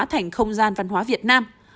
thành không gian văn hóa việt nam